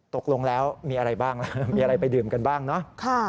ตกลงแล้วมีอะไรบ้างล่ะมีอะไรไปดื่มกันบ้างเนาะ